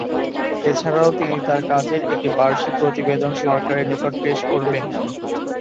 এছাড়াও তিনি তার কাজের একটি বার্ষিক প্রতিবেদন সরকারের নিকট পেশ করবেন।